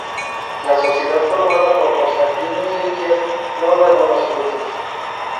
La sociedad formada por Constantino y Elías no da buenos frutos.